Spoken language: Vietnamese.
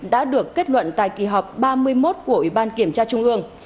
đã được kết luận tại kỳ họp ba mươi một của ủy ban kiểm tra trung ương